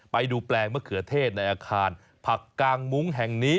ไปดูแปลงมะเขือเทศในอาคารผักกางมุ้งแห่งนี้